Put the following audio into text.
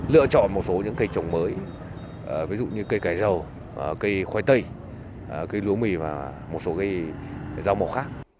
lựa chọn một số những cây trống mới ví dụ như cây cải rau cây khoai tây cây lúa mì và một số cây rau màu khác